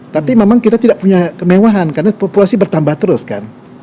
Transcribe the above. tapi memang kita tidak punya kemewahan karena populasi bertambah terus kan